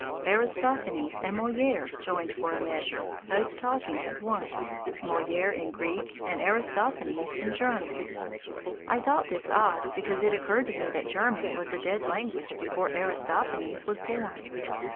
Aristophanes and Molière joined for a measure, both talking at once, Molière in Greek and Aristophanes in German. I thought this odd, because it occurred to me that German was a dead language before Aristophanes was born.